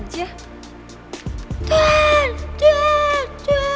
tuan tuan tuan